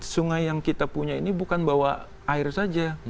sungai yang kita punya ini bukan bawa air saja